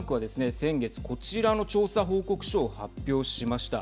先月、こちらの調査報告書を発表しました。